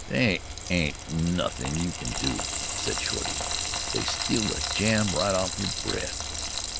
"They ain't nothin' you can do," said Shorty. "They steal the jam right off yer bread."